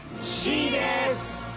Ｃです！